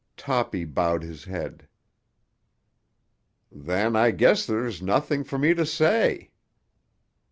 Toppy bowed his head. "Then I guess there's nothing for me to say."